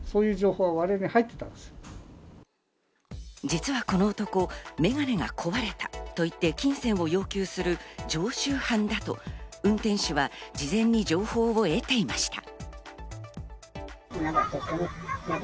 実はこの男、眼鏡が壊れたと言って金銭を要求する常習犯だと運転手は事前に情報を得ていました。